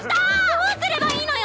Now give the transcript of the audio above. どうすればいいのよ